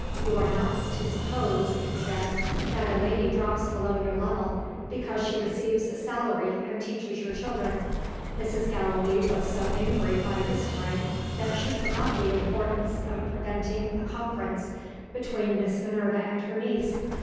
You are not to suppose (it said) that a lady drops below your level, because she receives a salary and teaches your children. Mrs. Gallilee was so angry, by this time, that she forgot the importance of preventing a conference between Miss Minerva and her niece.